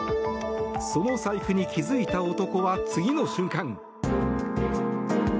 その財布に気づいた男は次の瞬間。